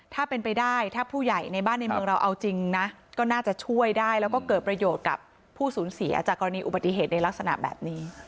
ถ้าเป็นไปได้ถ้าผู้ใหญ่ในบ้านในเมืองเราเอาจริงนะก็น่าจะช่วยได้แล้วก็เกิดประโยชน์กับผู้สูญเสียจากกรณีอุบัติเหตุในลักษณะแบบนี้